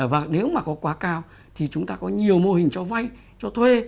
và nếu mà có quá cao thì chúng ta có nhiều mô hình cho vay cho thuê